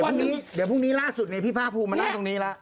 พรุ่งนี้เดี๋ยวพรุ่งนี้ล่าสุดพี่ภาคภูมิมานั่งตรงนี้แล้ว